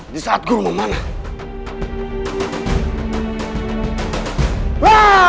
di saat guru memanah